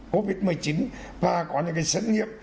covid một mươi chín và có những xét nghiệm